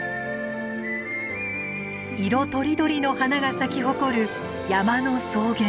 色とりどりの花が咲き誇る山の草原。